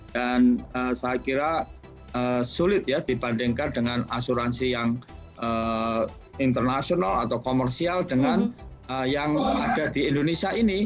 dan saya kira sulit ya dibandingkan dengan asuransi yang international atau komersial dengan yang ada di indonesia ini